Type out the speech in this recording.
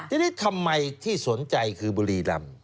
ทีนี้ทำไมที่สนใจคือบุรีรำ